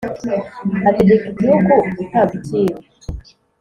Ategeka igihugu gutanga icyiru